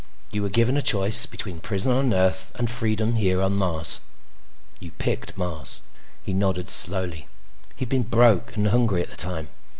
You were given a choice between prison on Earth and freedom here on Mars. You picked Mars." He nodded slowly. He'd been broke and hungry at the time.